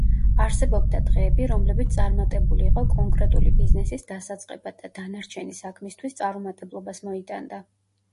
არსებობდა დღეები, რომლებიც წარმატებული იყო კონკრეტული ბიზნესის დასაწყებად და დანარჩენი საქმისთვის წარუმატებლობას მოიტანდა.